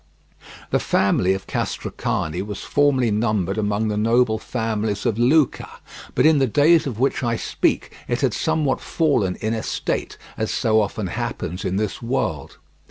The family of Castracani was formerly numbered among the noble families of Lucca, but in the days of which I speak it had somewhat fallen in estate, as so often happens in this world.